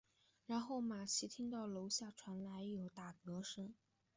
然后玛琦听到楼下传来有打嗝声。